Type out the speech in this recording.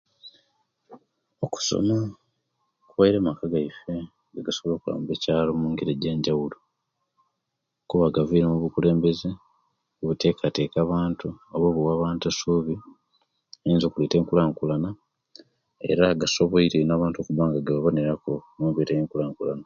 Okusoma kuwaile amaka gaife negasobola okwamba ekyaalo omungeri gye'njabulo kuba gaviilemu abakulembeze abatekateka abantu oba abawa abantu esuubi eyinza okuleta enkulakulana era gasoboile ino abantu okubanga bagabineraku okulete enkulakulana